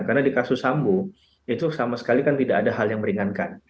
karena di kasus sambo itu sama sekali kan tidak ada hal yang meringankan